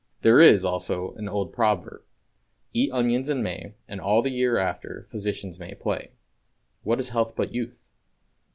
There is, also, an old proverb: "Eat onions in May, and all the year after physicians may play." What is health but youth?